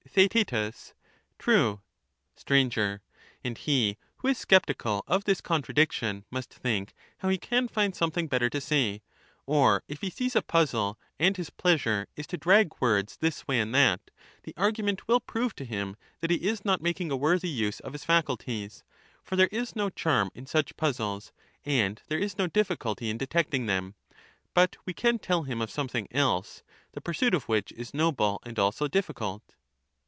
Theaet. True. Str. And he who is sceptical of this contradiction, must think how he can find something better to say ; or if he sees a puzzle, and his pleasure is to drag words this way and that, the argument will prove to him, that he is not making a worthy use of his faculties ; for there is no charm in such puzzles, and there is no difficulty in detecting them ; but we can tell him of something else the pursuit of which is noble and also difficult.